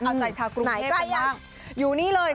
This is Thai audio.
อาจารย์ชาวกรุงเทพกันบ้างอยู่นี่เลย